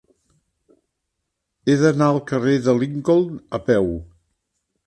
He d'anar al carrer de Lincoln a peu.